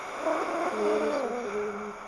له يو بل څخه خبر نه دي